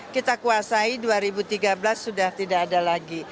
kita kuasai dua ribu tiga belas sudah tidak ada lagi